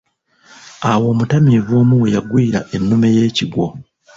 Awo omutamiivu omu we yagwira ennume y'ekigwo.